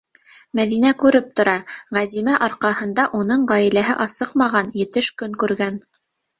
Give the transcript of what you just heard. Мәҙинә күреп тора: Ғәзимә арҡаһында уның ғаиләһе асыҡмаған, етеш көн күргән.